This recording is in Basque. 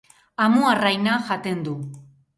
Amuarraina jaten du.